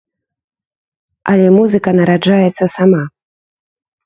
Але музыка нараджаецца сама.